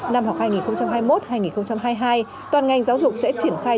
năm học hai nghìn hai mươi một hai nghìn hai mươi hai toàn ngành giáo dục sẽ triển khai